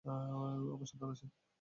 আমার সন্তান আছে।